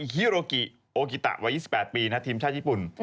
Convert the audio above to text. ฮิโรกิโอกิตะวัย๒๘ปีทีมชาติญี่ปุ่น